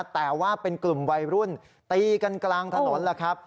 แต่ว่าเป็นกลุ่มวัยรุ่นตีกันกลางถนนแล้วครับ